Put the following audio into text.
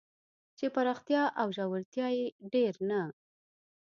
چې پراختیا او ژورتیا یې ډېر نه